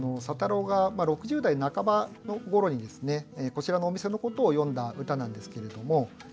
佐太郎が６０代半ばごろにですねこちらのお店のことを詠んだ歌なんですけれども。